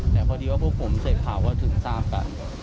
แต่พอดีว่าพวกผมเสร็จข่าวก็ถึงทราบกัน